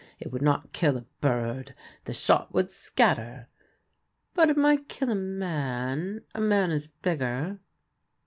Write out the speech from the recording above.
It would not kill a bird ; the shot would scatter : but it might kill a man — a man is bigger."